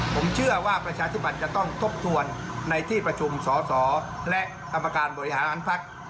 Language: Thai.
ผมเชื่อว่าประชาธิบัติจะต้องทบทวนในที่ประชุมสอสอและกรรมการบริหารภักดิ์